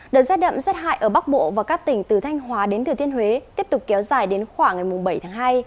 đợt rét đậm rét hại ở bắc bộ và các tỉnh từ thanh hóa đến thừa thiên huế tiếp tục kéo dài đến khoảng ngày bảy tháng hai